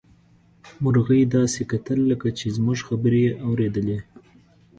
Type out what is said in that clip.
مرغۍ داسې کتل لکه چې زموږ خبرې يې اوريدلې.